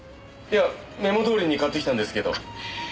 いやメモどおりに買ってきたんですけど。